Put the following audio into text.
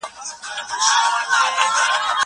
زه به د کتابتون د کار مرسته کړې وي.